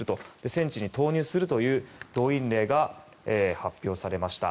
戦地に投入するという動員令が発表されました。